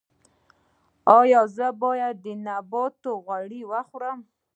ایا زه باید د نباتي غوړي وخورم؟